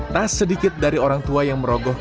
tak sedikit dari orang tua yang merogoh